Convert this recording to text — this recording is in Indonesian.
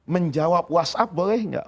menjawab whatsapp boleh gak